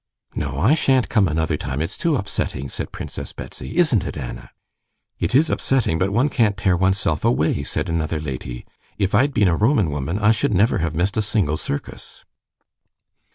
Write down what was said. "No, I shan't come another time; it's too upsetting," said Princess Betsy. "Isn't it, Anna?" "It is upsetting, but one can't tear oneself away," said another lady. "If I'd been a Roman woman I should never have missed a single circus."